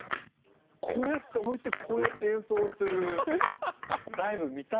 こうやって置いてこうやって演奏するライブ見たい。